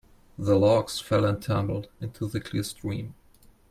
The logs fell and tumbled into the clear stream.